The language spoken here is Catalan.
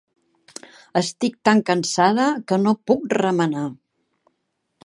Estic tan cansada que no puc remenar!